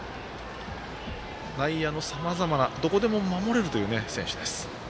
内野のさまざまな、どこでも守れるという選手です。